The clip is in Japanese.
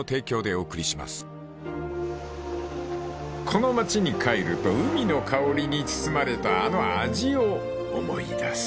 ［この町に帰ると海の香りに包まれたあの味を思い出す］